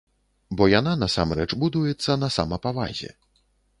Бо яна насамрэч будуецца на самапавазе.